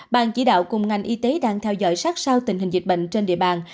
bàn chỉ đạo cùng ngành y tế đang theo dõi sát sao tình hình dịch bệnh trên địa bàn